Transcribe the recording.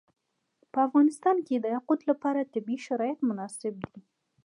په افغانستان کې د یاقوت لپاره طبیعي شرایط مناسب دي.